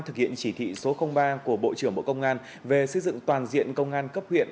thực hiện chỉ thị số ba của bộ trưởng bộ công an về xây dựng toàn diện công an cấp huyện